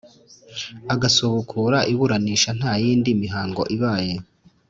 agasubukura iburanisha nta yindi mihango ibaye